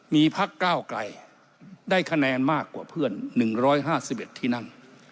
มีพักก้าวกลายได้คะแนนมากกว่าเพื่อนหนึ่งร้อยห้าสิบเอ็ดที่นั่ง